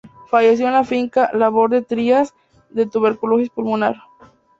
Falleció en la finca "Labor de Trías", de tuberculosis pulmonar.